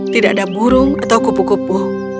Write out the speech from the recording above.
tidak ada burung atau kupu kupu